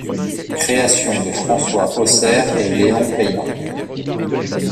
Création de François Haussaire et Léon Payan.